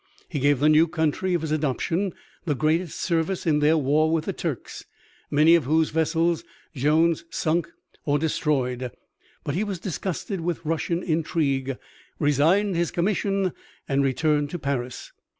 He gave the new country of his adoption the greatest service in their war with the Turks, many of whose vessels Jones sunk or destroyed. But he was disgusted with Russian intrigue, resigned his commission and returned to Paris.